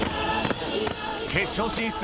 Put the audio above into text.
決勝進出